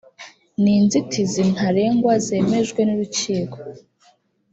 ni inzitizi ntarengwa zemejwe n’urukiko